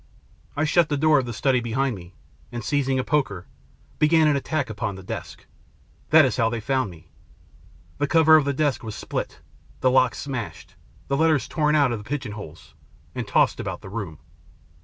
I shut the door of the study behind me, and, seizing a poker, began an attack upon the desk. That is how they found me. The cover of the desk was split, the lock smashed, the letters torn out of the pigeon holes and tossed about the room.